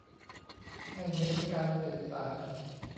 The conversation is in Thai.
ให้เน้นการสื่อสาร